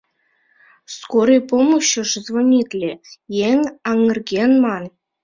Скорый помощьыш звонитле, еҥ аҥырген, ман.